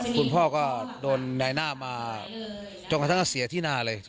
คุณพ่อก็โดนนายหน้ามาจนกระทั่งก็เสียที่นาเลย